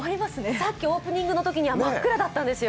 さっきオープニングのときには真っ暗だったんですよ。